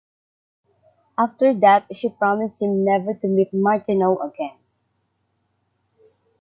After that she promised him never to meet Martineau again.